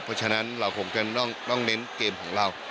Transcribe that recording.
เพราะฉะนั้นเราคงจะต้องเน้นเกมของเรา